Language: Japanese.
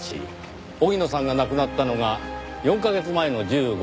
荻野さんが亡くなったのが４カ月前の１５日。